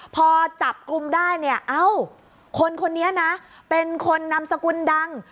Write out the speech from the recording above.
พอจับกลุ่มได้เนี่ยเอ้าคนคนนี้นะเป็นคนนำสกุลดัง